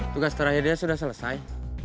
tugas terakhir dia sudah selesai